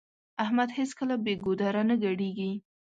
احمد هيڅکله بې ګودره نه ګډېږي.